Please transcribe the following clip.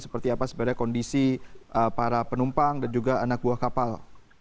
seperti apa sebenarnya kondisi para penumpang dan juga anak buah kapal